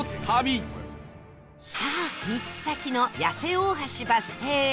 さあ３つ先の八瀬大橋バス停へ